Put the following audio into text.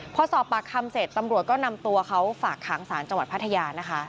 พอสอบปากคำเสร็จตำรวจก็นำตัวเขาฝากขังสารจังหวัดพัทยานะคะ